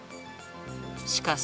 しかし。